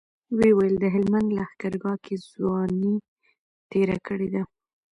ويې ويل د هلمند لښکرګاه کې ځواني تېره کړې ده.